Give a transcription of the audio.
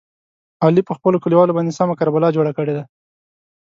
علي په خپلو کلیوالو باندې سمه کربلا جوړه کړې ده.